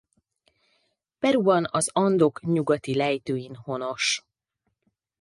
Peruban az Andok nyugati lejtőin honos.